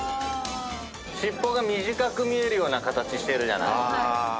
尻尾が短く見えるような形してるじゃない。